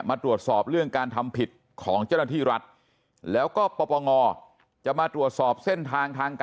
มาตรวจสอบเรื่องการทำผิดของเจ้าหน้าที่รัฐแล้วก็ปปงจะมาตรวจสอบเส้นทางทางการ